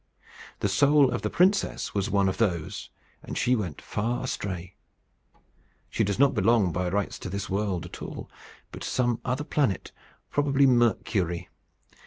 The soul of the princess was one of those, and she went far astray. She does not belong by rights to this world at all, but to some other planet, probably Mercury.